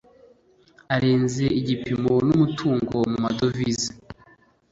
arenze igipimo n'umutungo mu madovize